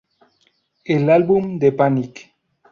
El álbum de Panic!